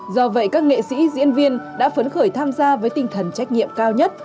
do vậy các nghệ sĩ diễn viên đã phấn khởi tham gia với tinh thần trách nhiệm cao nhất